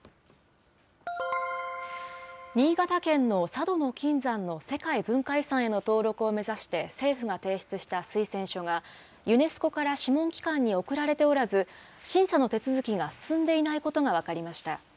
新潟県の佐渡島の金山の世界文化遺産への登録を目指して政府が提出した推薦書が、ユネスコから諮問機関に送られておらず、審査の手続きが進んでいないことが分かりました。